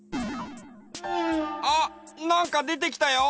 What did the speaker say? あっなんかでてきたよ！